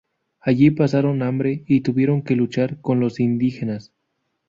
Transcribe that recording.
Allí pasaron hambre y tuvieron que luchar con los indígenas.